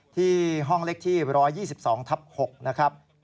ที่ห้องเล็กที่๑๒๒ทับ๖นะครับ